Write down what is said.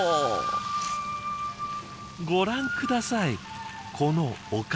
ご覧下さいこのお顔。